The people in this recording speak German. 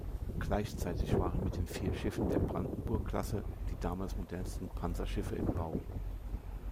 Gleichzeitig waren mit den vier Schiffen der "Brandenburg"-Klasse die damals modernsten Panzerschiffe im Bau.